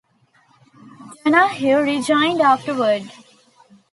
Donahue rejoined afterward.